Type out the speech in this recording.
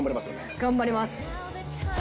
頑張れます。